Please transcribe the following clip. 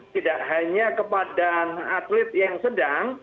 tidak hanya kepada atlet yang sedang